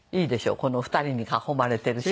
この２人に囲まれてる写真。